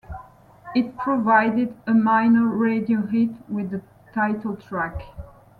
It provided a minor radio hit with the title track.